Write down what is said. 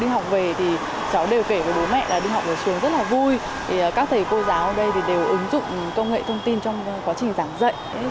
học sinh học ở trường rất là vui các thầy cô giáo ở đây đều ứng dụng công nghệ thông tin trong quá trình giảng dạy